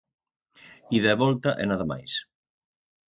Ida e volta e nada máis.